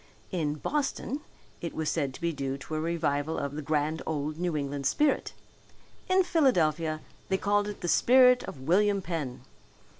In Boston it was said to be due to a revival of the grand old New England spirit. In Philadelphia they called it the spirit of William Penn.